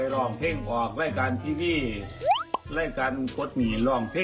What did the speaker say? ก่อนจะมารายการมันก็ต้องมีการเทสเสียงกันสักหน่อยเชิญรับชมรับฟังครับ